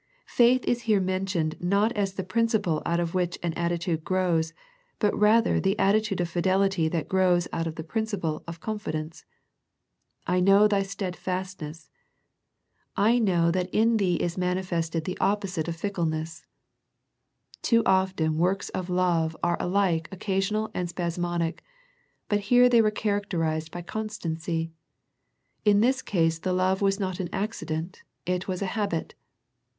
Faith is here mentioned not as the principle out of which an attitude grows, but rather the atti tude of fidelity that grows out of the principle of confidence. I know thy stedfastness, I know The Thyatira Letter 115 that in thee is manifested the opposite of fickle ness. Too often works of love are alike occa sional and spasmodic, but here they were char acterized by constancy. In this case the love was not an accident, it was a habit.